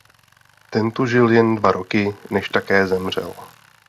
Ten tu žil jen dva roky než také zemřel.